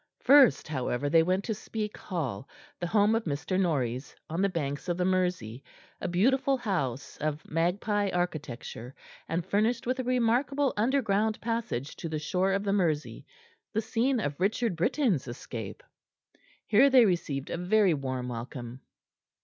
First, however, they went to Speke Hall, the home of Mr. Norreys, on the banks of the Mersey, a beautiful house of magpie architecture, and furnished with a remarkable underground passage to the shore of the Mersey, the scene of Richard Brittain's escape. Here they received a very warm welcome.